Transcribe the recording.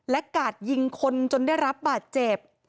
และกาดยิงคนจนได้รับบาดเจ็บ